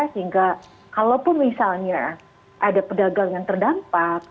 sehingga kalaupun misalnya ada pedagang yang terdampak